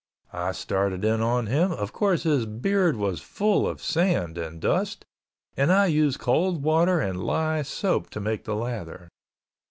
I started in on him, of course his beard was full of sand and dust, and I used cold water and lye soap to make the lather.